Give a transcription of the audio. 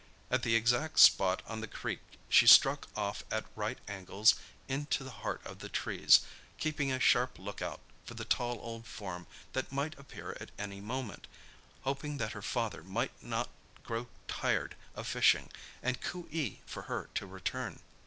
At the exact spot on the creek she struck off at right angles into the heart of the trees, keeping a sharp lookout for the tall old form that might appear at any moment—hoping that her father might not grow tired of fishing and coo ee for her to return.